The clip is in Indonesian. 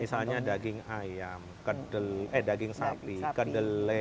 misalnya daging ayam eh daging sapi kedelai